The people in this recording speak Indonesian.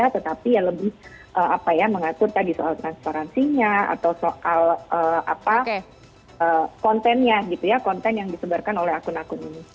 tetapi lebih mengatur soal transparansinya atau soal kontennya konten yang disebarkan oleh akun akun ini